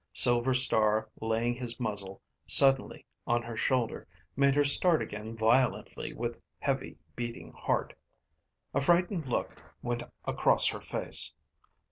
Silver Star laying his muzzle suddenly on her shoulder made her start again violently with heavy, beating heart. A frightened look went across her face.